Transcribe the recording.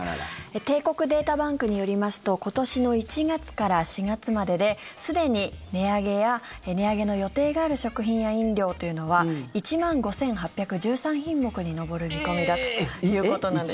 帝国データバンクによりますと今年の１月から４月までですでに値上げや値上げの予定がある食品や飲料というのは１万５８１３品目に上る見込みだということです。